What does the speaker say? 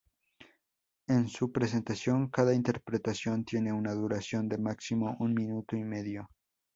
En su presentación, cada interpretación tiene una duración de máximo un minuto y medio.